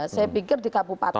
saya pikir di kabupaten